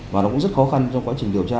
và nó cũng rất khó khăn trong quá trình điều tra